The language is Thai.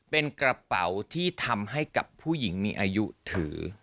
เป็นกระเป๋าที่ทำให้กับผู้หญิงมีอายุถือ